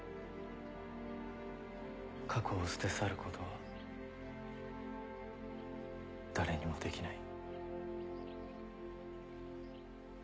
過去を捨て去ることは誰にもできない。